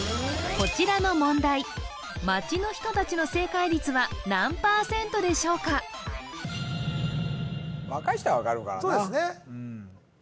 こちらの問題街の人達の正解率は何％でしょうか若い人は分かるからなそうですね